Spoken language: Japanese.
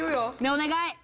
お願い！